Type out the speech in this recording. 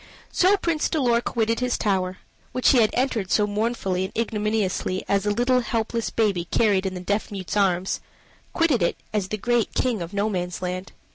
So Prince Dolor quitted his tower which he had entered so mournfully and ignominiously as a little helpless baby carried in the deaf mute's arms quitted it as the great King of Nomansland.